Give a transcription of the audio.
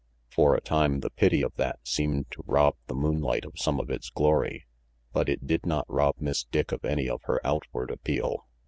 For a time, the pity of that seemed to rob the moonlight of some of its glory. But it did not rob Miss Dick of any of her outward appeal.